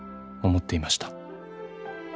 「思っていました」